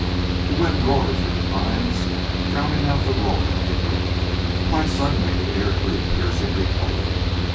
The wind roared through the pines, drowning the roar of the brook. Quite suddenly the air grew piercingly cold.